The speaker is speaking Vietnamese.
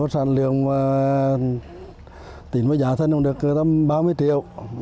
sản liệu tỉnh mới giá thân không được ba mươi triệu